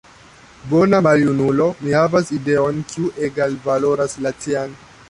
«Bona maljunulo», mi havas ideon, kiu egalvaloras la cian.